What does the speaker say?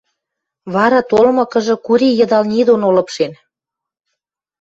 Вара, толмыкыжы, Кури йыдал ни доно лыпшен.